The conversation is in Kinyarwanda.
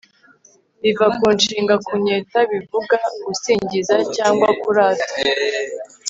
riva ku nshinga kunyeta bivuga gusingiza cyangwa kurata)